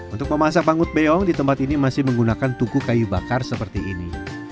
untuk memasak mangut beong di tempat ini masih menggunakan tungku kayu bakar seperti ini